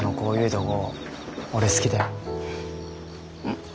うん。